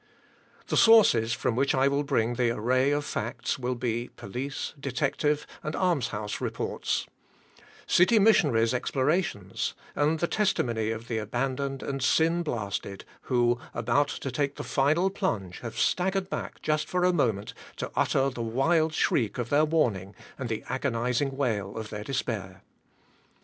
The sources from which I will bring the array of facts will be police, detective, and alms house reports; city missionaries' explorations, and the testimony of the abandoned and sin blasted, who, about to take the final plunge, have staggered back just for a moment, to utter the wild shriek of their warning, and the agonizing wail of their despair.